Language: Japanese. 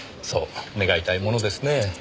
そう願いたいものですねえ。